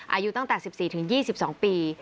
อายุตั้งแต่๑๔๒๒ปี